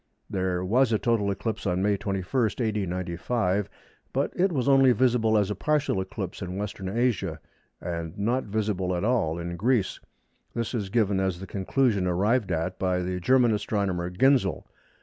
There was a total eclipse on May 21, A.D. 95, but it was only visible as a partial eclipse in Western Asia and not visible at all in Greece. This is given as the conclusion arrived at by the German astronomer Ginzel.